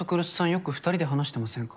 よく２人で話してませんか？